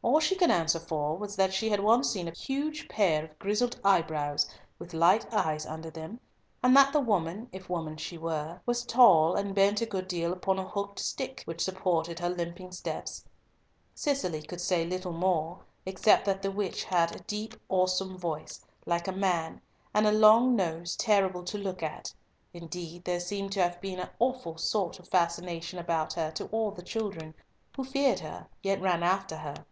All she could answer for was that she had once seen a huge pair of grizzled eyebrows, with light eyes under them, and that the woman, if woman she were, was tall, and bent a good deal upon a hooked stick, which supported her limping steps. Cicely could say little more, except that the witch had a deep awesome voice, like a man, and a long nose terrible to look at. Indeed, there seemed to have been a sort of awful fascination about her to all the children, who feared her yet ran after her.